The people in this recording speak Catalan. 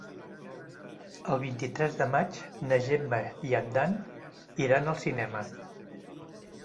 El vint-i-tres de maig na Gemma i en Dan iran al cinema.